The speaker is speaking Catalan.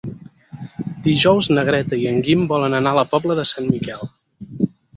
Dijous na Greta i en Guim volen anar a la Pobla de Sant Miquel.